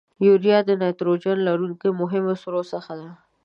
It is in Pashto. یوریا د نایتروجن لرونکو مهمو سرو څخه ده.